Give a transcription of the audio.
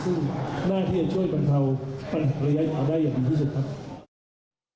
ซึ่งหน้าที่จะช่วยบรรเทาปัญหาระยะยาวได้อย่างดีที่สุดครับ